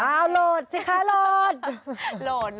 เอาโหลดสิคะโหลด